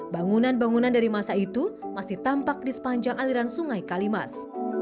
bangunan bangunan dari masa itu masih tampak di sepanjang aliran sungai kalimas